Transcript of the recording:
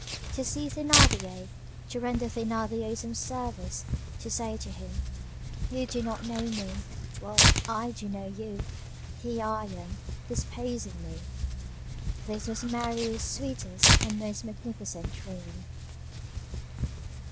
To see Thénardier, to render Thénardier some service, to say to him: "You do not know me; well, I do know you! Here I am. Dispose of me!" This was Marius' sweetest and most magnificent dream.